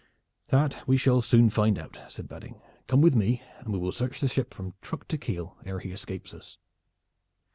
"That we shall soon find out," said Badding. "Come with me and we will search the ship from truck to keel ere he escapes us."